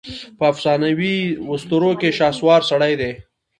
په افسانواواسطوروکې شهسوار سړی دی